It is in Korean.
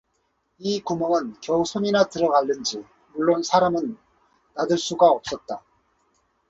이 구멍은 겨우 손이나 들어갈는지 물론 사람은 나들 수가 없었다.